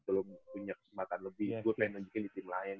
belum punya kecepatan lebih gua pengen nunjukin di tim lain